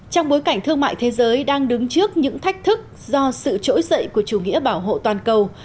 trong bối cảnh thương mại thế giới đang đứng trước những thách thức do sự trỗi dậy của chủ nghĩa bảo hộ toàn cầu